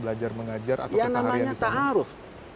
belajar mengajar atau keseharian disana ya namanya ta'aruf